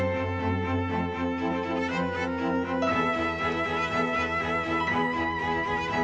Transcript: ทุกคนพร้อมแล้วขอเสียงปลุ่มมือต้อนรับ๑๒สาวงามในชุดราตรีได้เลยค่ะ